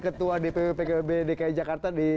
ketua dpw pkb dki jakarta di